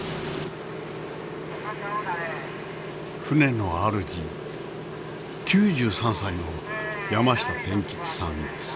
船のあるじ９３歳の山下天吉さんです。